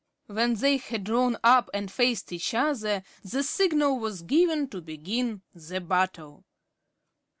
When they had drawn up and faced each other, the signal was given to begin the battle.